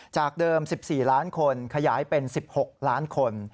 จากเดิม๑๔ล้านคนขยายเป็น๑๖ล้านคน